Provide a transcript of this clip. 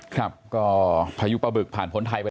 ครับก็พายุปลาบึกผ่านพ้นไทยไป